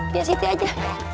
dia di sini aja